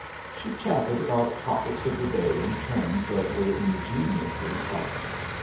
She chatted about topics of the day in terms that were ingeniously trite.